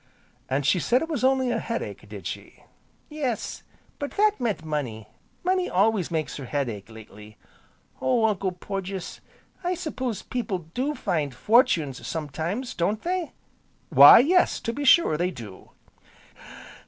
"And she said it was only a headache, did she?" "Yes, but that meant money, money always makes her head ache, lately. Oh Uncle Porges! I s'pose people do find fortunes, sometimes, don't they?" "Why yes, to be sure they do."